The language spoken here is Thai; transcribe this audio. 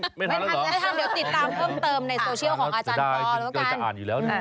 เดี๋ยวติดตามเพิ่มเติมในโซเชียลของอาจารย์ปอล์แล้วกัน